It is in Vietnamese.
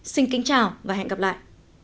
xin kính chào và hẹn gặp lại